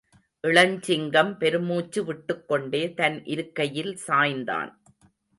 இளஞ்சிங்கம் பெருமூச்சு விட்டுக்கொண்டே, தன் இருக்கையில் சாய்ந்தான்.